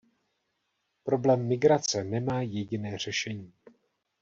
Problém migrace nemá jediné řešení.